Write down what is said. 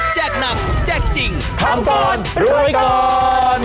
แจกหนังแจกจริงทัมผ่อนรวยกอล